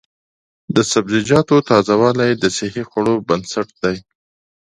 د سبزیجاتو تازه والي د صحي خوړو بنسټ دی.